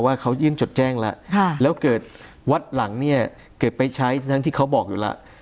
ว่าเขายื่นจดแจ้งแล้วแล้วเกิดวัดหลังเนี่ยเกิดไปใช้ทั้งที่เขาบอกอยู่แล้ว